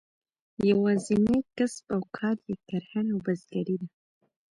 یوازینی کسب او کار یې کرهڼه او بزګري ده.